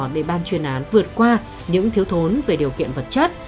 để ban chuyên án vượt qua những thiếu thốn về điều kiện vật chất